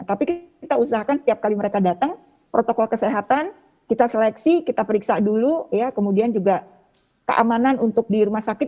tapi kita usahakan setiap kali mereka datang protokol kesehatan kita seleksi kita periksa dulu ya kemudian juga keamanan untuk di rumah sakit